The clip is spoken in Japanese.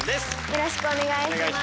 よろしくお願いします。